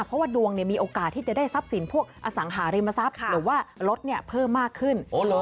เพราะว่าดวงมีโอกาสที่จะได้ทรัพย์สินพวกอสังหาริมทรัพย์หรือว่ารถเพิ่มมากขึ้น